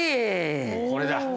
これだ。